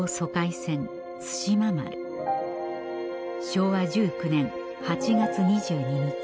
昭和１９年８月２２日